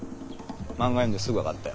漫画読んですぐ分かったよ。